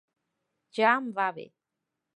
Ja em va bé!